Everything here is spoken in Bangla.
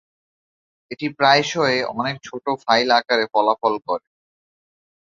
এটি প্রায়শই অনেক ছোট ফাইল আকারে ফলাফল করে।